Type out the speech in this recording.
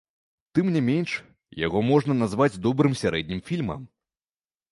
Тым не менш, яго можна назваць добрым сярэднім фільмам.